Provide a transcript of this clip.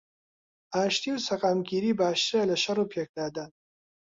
ئاشتی و سەقامگیری باشترە لەشەڕ و پێکدادان